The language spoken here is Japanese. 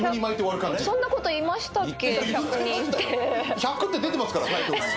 １００って出てますから。